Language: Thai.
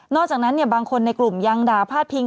จากนั้นบางคนในกลุ่มยังด่าพาดพิง